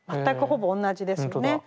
全くほぼ同じですよね。